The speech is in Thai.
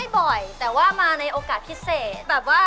แบบว่ามาสักการะบูชามาแบบว่า